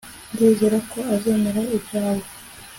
Ndizera ko azemera ibyawe